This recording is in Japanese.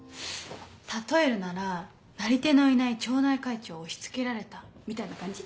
例えるならなり手のいない町内会長を押し付けられたみたいな感じ。